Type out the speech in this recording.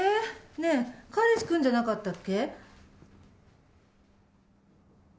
ねぇ彼氏来んじゃなかったっけ